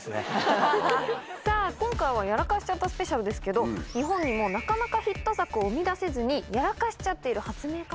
さぁ今回はやらかしちゃったスペシャルですけど日本にもなかなかヒット作を生み出せずにやらかしちゃっている発明